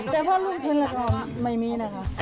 แต่พอลูกพึงแล้วก็ไม่มีน่ะค่ะ